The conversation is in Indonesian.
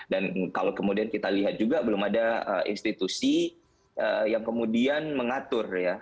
dan kalau kemudian kita lihat juga belum ada institusi yang kemudian mengatur ya